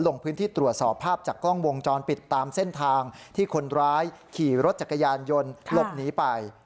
ลงพื้นที่ตรวจสอบภาพจากกล้องวงจรปิดตามเส้นทางที่คนร้ายขี่รถจักรยานยนต์หลบหนีไป